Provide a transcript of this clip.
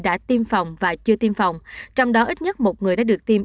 đã tiêm phòng và chưa tiêm phòng trong đó ít nhất một người đã được tiêm